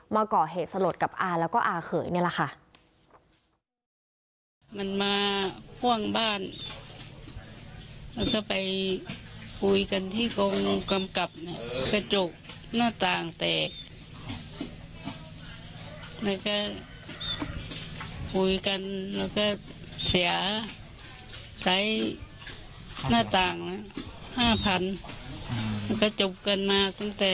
มาก่อเหตุสลดกับอาแล้วก็อาเขยนี่แหละค่ะ